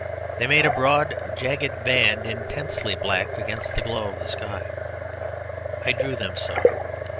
They made a broad jagged band intensely black against the glow of the sky. I drew them so.